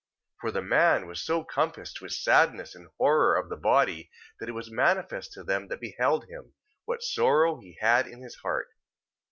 3:17. For the man was so compassed with sadness and horror of the body, that it was manifest to them that beheld him, what sorrow he had in his heart.